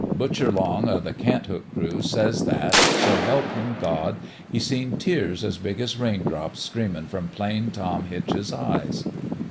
Butcher Long o' the Cant hook crew says that, so help him God ! he seen tears as big as rain drops streamin' from Plain Tom Hitch's eyes.